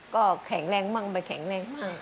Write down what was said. ก็แข็งแรงมั่งไปแข็งแรงบ้าง